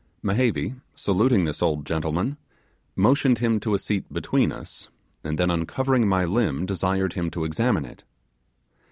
Mehevi, saluting this old gentleman, motioned him to a seat between us, and then uncovering my limb, desired him to examine it.